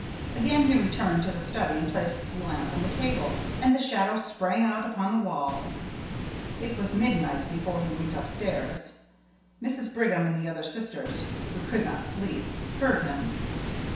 Again he returned to the study and placed the lamp on the table, and the shadow sprang out upon the wall. It was midnight before he went upstairs. Mrs. Brigham and the other sisters, who could not sleep, heard him.